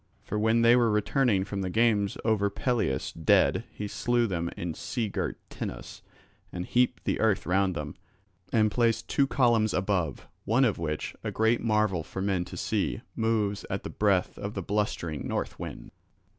For when they were returning from the games over Pelias dead he slew them in sea girt Tenos and heaped the earth round them, and placed two columns above, one of which, a great marvel for men to see, moves at the breath of the blustering north wind.